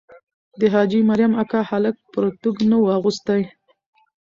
د حاجي مریم اکا هلک پرتوګ نه وو اغوستی.